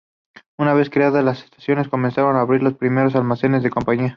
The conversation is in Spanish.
Una vez creada la estación se comenzaron a abrir los primeros almacenes de campaña.